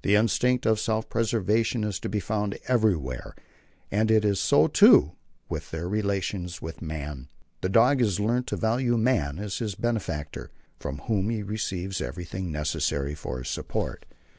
The instinct of self preservation is to be found everywhere, and it is so, too, with their relations with man. The dog has learnt to value man as his benefactor, from whom he receives everything necessary for his support.